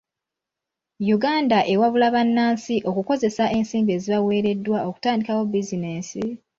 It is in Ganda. Uganda ewabula bannansi okukozesa ensimbi ezibaweeredda okutandikawo bizinensi